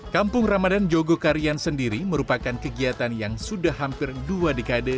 kampung ramadan jogokarian sendiri merupakan kegiatan yang sudah hampir dua dekade